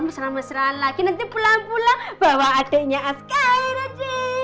mesra mesra lagi nanti pulang pulang bawa adiknya askara g